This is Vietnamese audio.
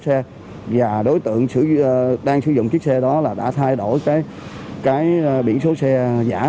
cái đang sử dụng chiếc xe đó là đã thay đổi cái biển số xe giả